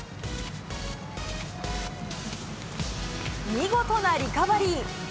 見事なリカバリー。